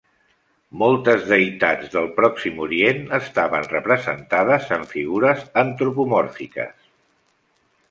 Moltes deïtats del Pròxim Orient estaven representades en figures antropomòrfiques.